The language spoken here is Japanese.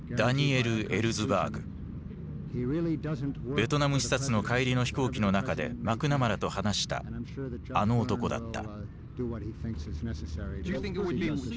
ベトナム視察の帰りの飛行機の中でマクナマラと話したあの男だった。